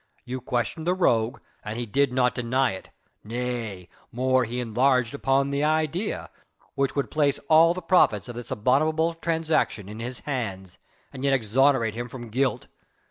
You questioned the rogue, and he did not deny it, nay more he enlarged upon the idea, which would place all the profits of this abominable transaction in his hands and yet exonerate him from guilt.